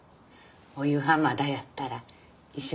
お夕飯まだやったら一緒にどうどす？